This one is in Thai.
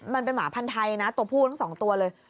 มันเป็นหมาพันธ์ไทยนะตัวผู้ทั้งสองตัวเลย